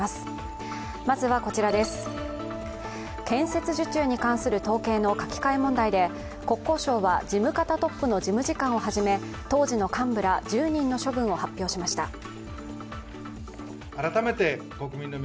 建設受注に関する統計の書き換え問題で国交省は事務方トップの事務次官をはじめ、当時の幹部ら１０人の処分を発表しました。